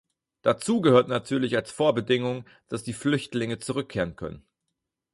Dazu gehört natürlich als Vorbedingung, dass die Flüchtlinge zurückkehren können.